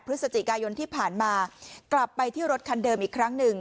พฤศจิกายนที่ผ่านมากลับไปที่รถคันเดิมอีกครั้งหนึ่ง